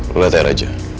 lihat ya raja